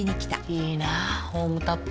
いいなホームタップ。